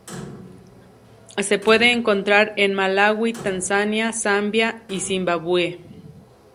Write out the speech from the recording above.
Se puede encontrar en Malawi, Tanzania, Zambia y Zimbabue.